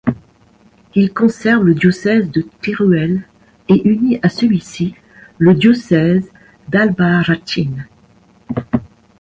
Il conserve le diocèse de Teruel et unit à celui-ci le diocèse d'Albarracín.